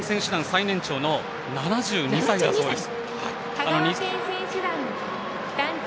最年長の７２歳だそうです。